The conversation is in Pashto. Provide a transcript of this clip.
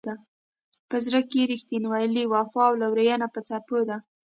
په زړه کې یې رښتینولي، وفا او لورینه په څپو ده.